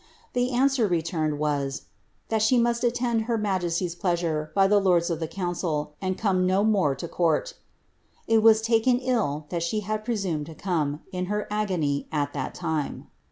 The answer returned was, ^ that she must attend mr majesty's pleasure by the lords of the council, and come no more o court" It was taken ill that she had presumed to eome, in her fony, at that time.